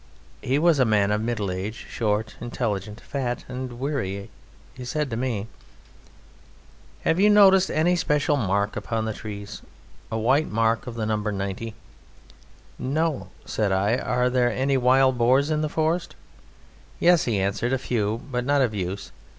He was a man of middle age, short, intelligent, fat, and weary. He said to me: "Have you noticed any special mark upon the trees? A white mark of the number 90?" "No," said I. "Are there any wild boars in this forest?" "Yes," he answered, "a few, but not of use.